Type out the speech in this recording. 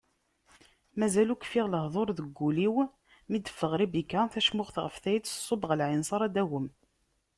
Mazal ur kfiɣ lehduṛ deg wul-iw, mi d-teffeɣ Ribika, tacmuxt ɣef tayet, tṣubb ɣer lɛinseṛ ad d-tagwem.